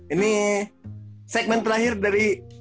ini segmen terakhir dari